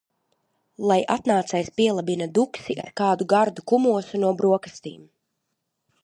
Lai atnācējs pielabina Duksi ar kādu gardu kumosu no brokastīm.